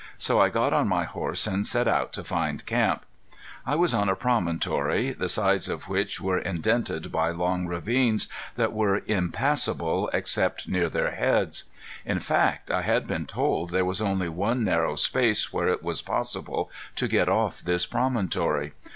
So I got on my horse and set out to find camp. I was on a promontory, the sides of which were indented by long ravines that were impassable except near their heads. In fact I had been told there was only one narrow space where it was possible to get off this promontory.